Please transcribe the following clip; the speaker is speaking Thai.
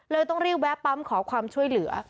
ต้องรีบแวะปั๊มขอความช่วยเหลือ